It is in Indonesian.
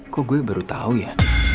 kok gue baru tahu ya